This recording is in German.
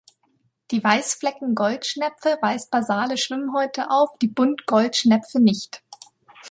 Die Weißflecken-Goldschnepfe weist basale Schwimmhäute auf, die Bunt-Goldschnepfe nicht.